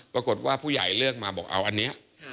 ปรากฏว่าผู้ใหญ่เลือกมาบอกเอาอันนี้